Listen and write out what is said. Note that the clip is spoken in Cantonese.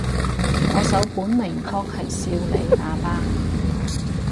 我首本名曲係少理阿爸